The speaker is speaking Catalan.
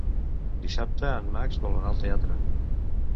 Dissabte en Max vol anar al teatre.